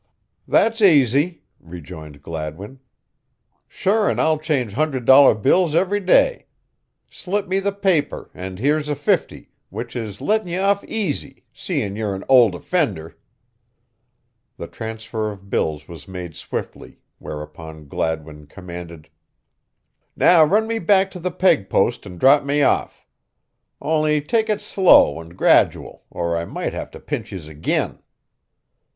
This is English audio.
"That's aisy," rejoined Gladwin. "Sure'n I change hundred dollar bills ivry day. Slip me the paper an' here's a fifty, which is lettin' ye off aisy, seein' ye're an ould offinder." The transfer of bills was made swiftly, whereupon Gladwin commanded: "Now run me back to me peg post an' drop me off, on'y take it slow an' gradual or I might have to pinch yez again."